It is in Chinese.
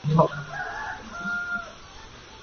车站标识为凤尾。